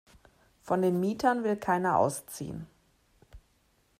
Von den Mietern will keiner ausziehen.